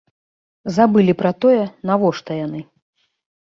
Забылі пра тое, навошта яны.